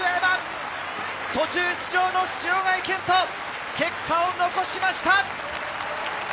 途中出場の塩貝健人、結果を残しました！